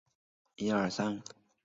御成门站三田线的铁路车站。